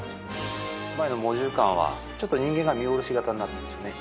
前の猛獣館はちょっと人間が見下ろし型になってるんですね